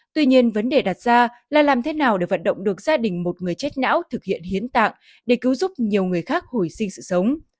tuy nhiên vấn đề đặt ra là làm thế nào để vận động được gia đình một người chết não thực hiện hiến tạng để cứu giúp nhiều người khác hồi sinh sự sống